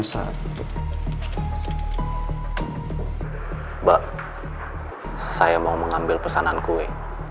mbak saya mau mengambil pesanan kue